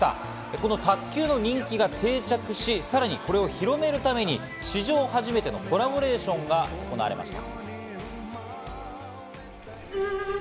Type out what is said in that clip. この卓球の人気が定着し、さらにこれを広めるために、史上初めてのコラボレーションが行われました。